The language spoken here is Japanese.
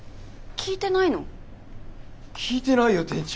聞いてないよ店長。